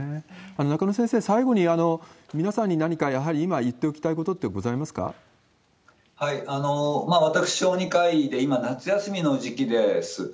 中野先生、最後に、皆さんに何かやはり今、言っておきたいこ私は、小児科医で、今夏休みの時期です。